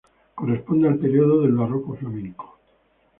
Corresponde al período del Barroco flamenco.